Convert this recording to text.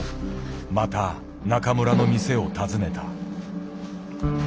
また中村の店を訪ねた。